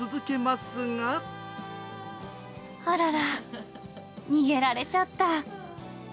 あらら、逃げられちゃった。